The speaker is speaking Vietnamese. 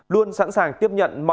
luôn sẵn sàng tiếp nhận mọi thông tin